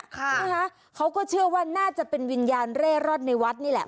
ใช่ไหมคะเขาก็เชื่อว่าน่าจะเป็นวิญญาณเร่ร่อนในวัดนี่แหละ